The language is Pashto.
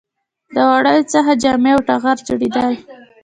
د وړیو څخه جامې او ټغر جوړیدل